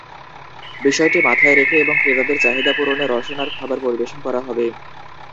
বিষয়টি মাথায় রেখে এবং ক্রেতাদের চাহিদা পূরণে রসনার খাবার পরিবেশন করা হবে।